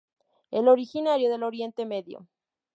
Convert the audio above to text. El originario del Oriente Medio.